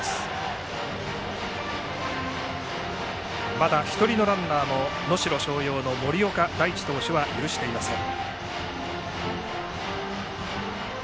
まだ１人のランナーも能代松陽の森岡大智投手は許していません。